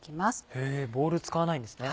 へぇボウル使わないんですね。